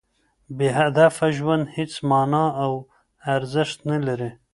بې هدفه ژوند هېڅ مانا او ارزښت نه لري.